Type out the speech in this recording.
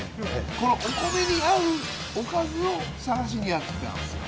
このお米に合うおかずを探しにやって来たんですよ。